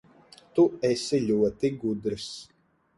Tu esi ļoti gudrs.